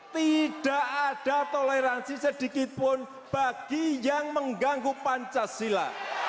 tidak ada toleransi sedikitpun bagi yang mengganggu pancasila